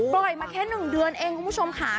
มาแค่๑เดือนเองคุณผู้ชมค่ะ